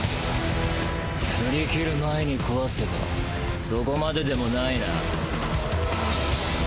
振り切る前に壊せばそこまででもないな。